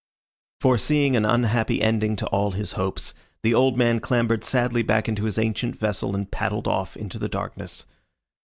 Foreseeing an unhappy ending to all his hopes, the old man clambered sadly back into his ancient vessel and paddled off into the darkness.